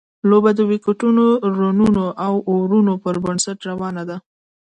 لوبه د ویکټونو، رنونو او اورونو پر بنسټ روانه ده.